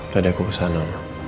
tadi aku kesana